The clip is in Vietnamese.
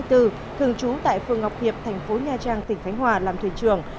thường trú tại phường ngọc hiệp thành phố nha trang tỉnh khánh hòa làm thuyền trường